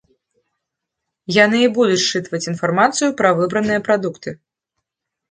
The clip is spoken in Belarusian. Яны і будуць счытваць інфармацыю пра выбраныя прадукты.